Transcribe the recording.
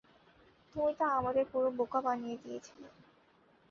তুমি তো আমাদের পুরো বোকা বানিয়ে দিয়েছিলে।